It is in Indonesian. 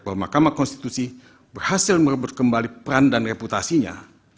bahwa mahkamah konstitusi berhasil merebut kembali peran dan reputasinya